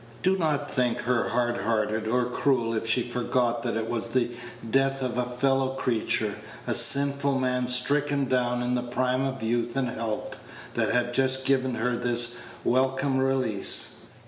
Do not think her hard hearted or cruel if she forgot that it was the death of a fellow creature, a sinful man stricken down in the prime of youth and health, that had given her this welcome release.